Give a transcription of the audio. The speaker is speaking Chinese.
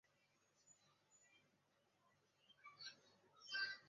金昭希曾在就读。